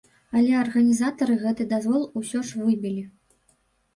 Але арганізатары гэты дазвол усё ж выбілі.